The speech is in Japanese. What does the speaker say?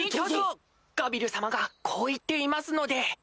ガビル様がこう言っていますので。